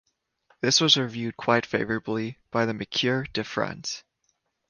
This was reviewed quite favorably by the "Mercure de France".